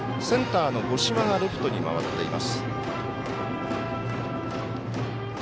センターの五島がレフトに回っています。